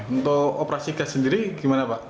untuk operasi gas sendiri gimana pak